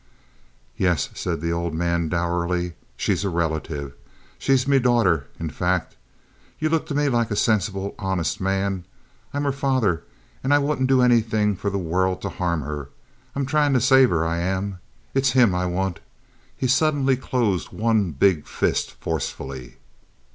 "Yes," said the old man, dourly. "She is a relative. She's me daughter, in fact. You look to me like a sensible, honest man. I'm her father, and I wouldn't do anything for the world to harm her. It's tryin' to save her I am. It's him I want." He suddenly closed one big fist forcefully.